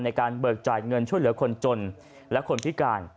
เบิกจ่ายเงินช่วยเหลือคนจนและคนพิการ